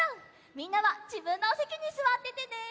みんなはじぶんのおせきにすわっててね！